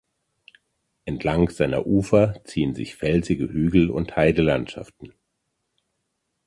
Entlang seiner Ufer ziehen sich felsige Hügel und Heidelandschaften.